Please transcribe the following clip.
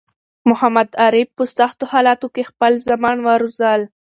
محمد عارف په سختو حالاتو کی خپل زامن وروزل